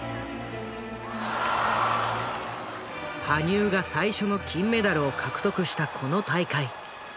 羽生が最初の金メダルを獲得したこの大会。